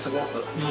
うん。